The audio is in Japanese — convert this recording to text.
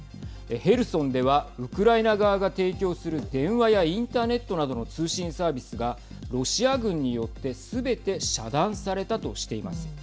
ヘルソンではウクライナ側が提供する電話やインターネットなどの通信サービスがロシア軍によってすべて遮断されたとしています。